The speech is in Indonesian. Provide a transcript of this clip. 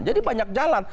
jadi banyak jalan